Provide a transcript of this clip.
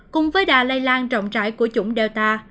cùng với đà lây lan rộng rãi của chủng delta